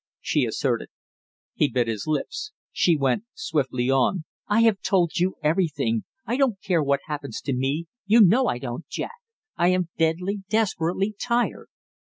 she asserted. He bit his lips. She went swiftly on. "I have told you everything! I don't care what happens to me you know I don't, Jack! I am deadly desperately tired!"